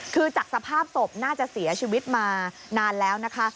คือจากสภาพศพน่าจะเสียชีวิตมานานแล้วนะคะ